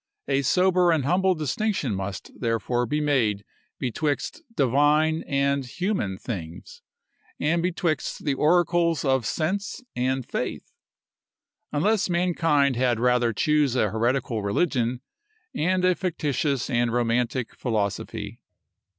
A sober and humble distinction must, therefore, be made betwixt divine and human things, and betwixt the oracles of sense and faith, unless mankind had rather choose an heretical religion, and a fictitious and romantic philosophy.